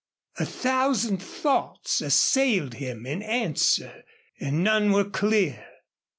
A thousand thoughts assailed him in answer and none were clear.